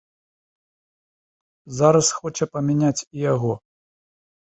Зараз хоча памяняць і яго.